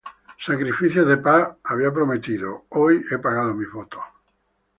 Sacrificios de paz había prometido, Hoy he pagado mis votos;